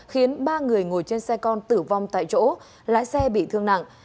khiến ba người ngồi trên xe con tử vong tại chỗ lái xe bị thương nặng